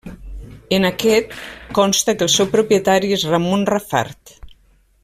En aquest, consta que el seu propietari és Ramon Rafart.